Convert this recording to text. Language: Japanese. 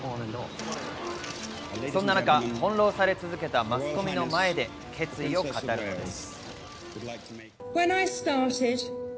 そんな中、翻弄され続けたマスコミの前で決意を語るんです。